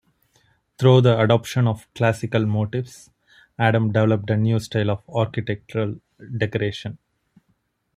Through the adoption of classical motifs, Adam developed a new style of architectural decoration.